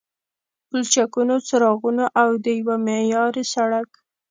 پلچکونو، څراغونو او د یوه معیاري سړک